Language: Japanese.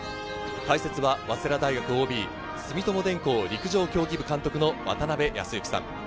解説は早稲田大学ＯＢ、住友電工陸上競技部監督の渡辺康幸さん。